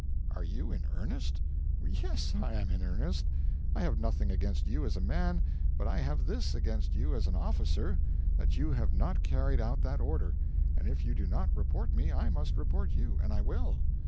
'Are you in earnest?' 'Yes, I am in earnest. I have nothing against you as a man, but I have this against you as an officer that you have not carried out that order, and if you do not report me I must report you. And I will.'